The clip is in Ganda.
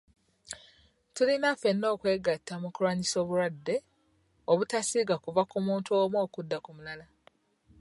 Tulina ffena okwegatta mu kulwanyisa obulwadde obutasiiga kuva ku muntu omu okudda ku mulala.